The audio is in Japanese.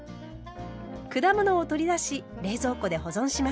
果物を取り出し冷蔵庫で保存します。